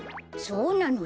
そうなの？